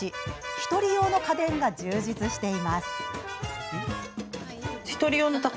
１人用の家電が充実しています。